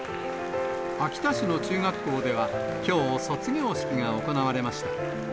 秋田市の中学校では、きょう、卒業式が行われました。